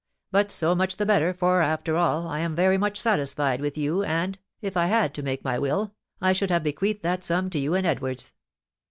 But so much the better, for, after all, I am very much satisfied with you, and, if I had to make my will, I should have bequeathed that sum to you and Edwards."